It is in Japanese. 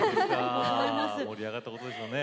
盛り上がったことでしょうね。